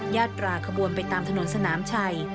ญาตราขบวนไปตามถนนสนามชัย